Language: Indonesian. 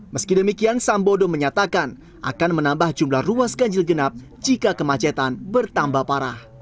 meski demikian sambodo menyatakan akan menambah jumlah ruas ganjil genap jika kemacetan bertambah parah